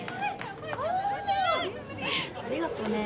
ありがとね。